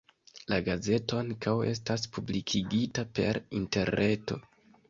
La gazeto ankaŭ estas publikigita per interreto.